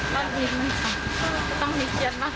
ต้องมีกรรมค่ะต้องมีเชียงมาก